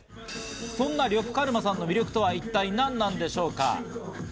そんな呂布カルマさんの魅力とは一体何なんでしょうか？